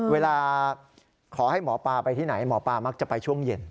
เวลาขอให้หมอปลาไปที่ไหนหมอปลามักจะไปช่วงเย็น